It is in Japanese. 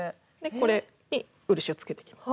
これに漆をつけていきます。